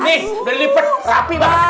nih beli lipet rapi banget